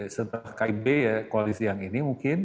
serta kb ya koalisi yang ini mungkin